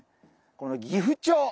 このギフチョウ！